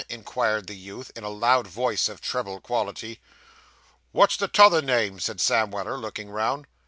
inquired the youth, in a loud voice of treble quality. 'What's the t'other name?' said Sam Weller, looking round.